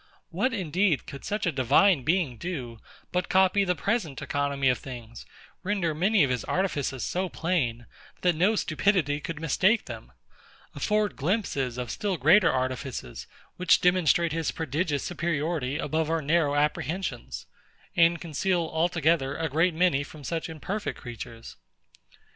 What indeed could such a Divine Being do, but copy the present economy of things; render many of his artifices so plain, that no stupidity could mistake them; afford glimpses of still greater artifices, which demonstrate his prodigious superiority above our narrow apprehensions; and conceal altogether a great many from such imperfect creatures?